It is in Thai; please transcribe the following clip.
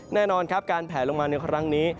แน่นอนครับการแผลลงมาในครั้งนี้